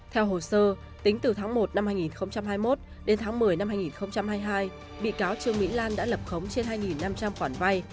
theo hồ sơ tính từ tháng một năm hai nghìn hai mươi một đến tháng một mươi năm hai nghìn hai mươi hai bị cáo trương mỹ lan đã lập khống trên hai năm trăm linh khoản vay